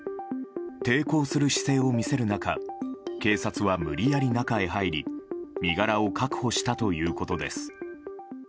抵抗する姿勢を見せる中警察は無理やり中に入り身柄を確保したということです。